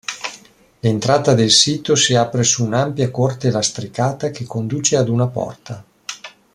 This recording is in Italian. L'entrata del sito si apre su un'ampia corte lastricata che conduce ad una porta.